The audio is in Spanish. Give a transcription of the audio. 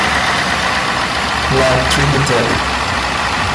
La Trinitat